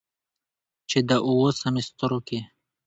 چې دا اووه سميسترو کې